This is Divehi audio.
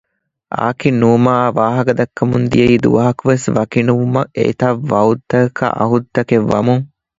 އާކިން ނޫމާއާއި ވާހަކަ ދައްކަމުން ދިޔައީ ދުވަހަކުވެސް ވަކިނުވުމަށް އެތައް ވައުދު ތަކަކާއި އަހުދު ތަކެއް ވަމުން